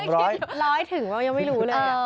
ร้อยถึงว่ายังไม่รู้เลย